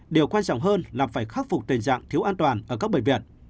điều quan trọng hơn là phải khắc phục tình trạng thiếu an toàn ở các bệnh viện